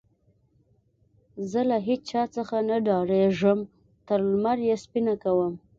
زه له هيچا څخه نه ډارېږم؛ تر لمر يې سپينه کوم.